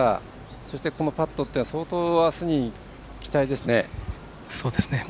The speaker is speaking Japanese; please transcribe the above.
そして、このパットというのは相当、あすに期待ですね。